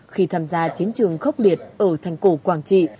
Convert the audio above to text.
khi tham gia chiến trường khốc quốc